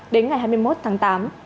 đến ngày hai mươi một tháng tám